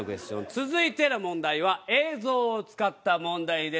続いての問題は映像を使った問題です。